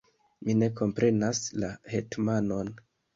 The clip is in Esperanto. Mi ne komprenas la hetmanon.